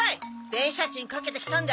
電車賃かけて来たんだ。